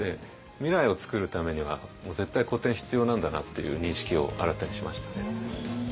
未来を作るためには絶対古典必要なんだなっていう認識を新たにしましたね。